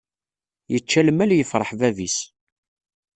Yečča lmal yefreḥ bab-is.